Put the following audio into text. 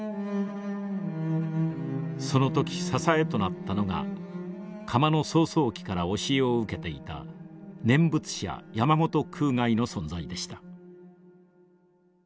その時支えとなったのが窯の草創期から教えを受けていた念仏者山本空外の存在でした。